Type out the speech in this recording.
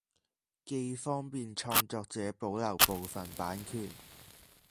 既方便創作者保留部份版權